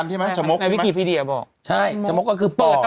ในวิกิพิเดียวว่าชมกคือปอบ